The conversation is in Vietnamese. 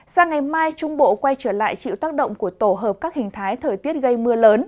sang ngày mai trung bộ quay trở lại chịu tác động của tổ hợp các hình thái thời tiết gây mưa lớn